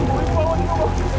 gak ada apa apa